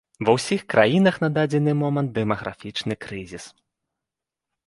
Ва ўсіх краінах на дадзены момант дэмаграфічны крызіс.